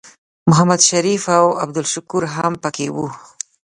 محمد شریف او عبدالشکور هم پکې وو.